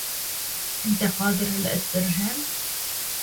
Ross Martin did Punchy's voice, Hey!